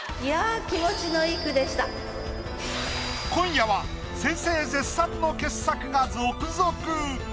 いや今夜は先生絶賛の傑作が続々！